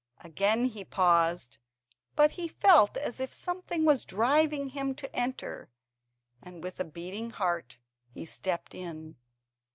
Again he paused, but he felt as if something was driving him to enter, and with a beating heart he stepped in.